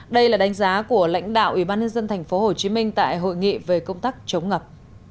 đây là đánh giá của lãnh đạo ủy ban nhân dân thành phố hồ chí minh tại hội nghị về công tác chống ngập